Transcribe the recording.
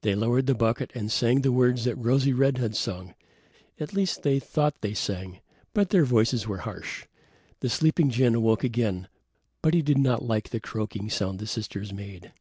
They lowered the bucket and sang the words that Rosy red had sung. At least they thought they sang; but their voices were harsh. The sleeping jinn awoke again, but he did not like the croaking sound the sisters made.